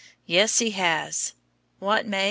Yes, he has. What, May?